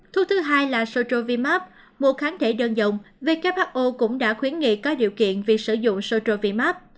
thuốc thứ hai là sotrovimab một kháng thể đơn dòng who cũng đã khuyến nghị có điều kiện việc sử dụng sotrovimab